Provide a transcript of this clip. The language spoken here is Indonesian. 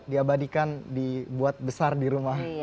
diabadikan dibuat besar di rumah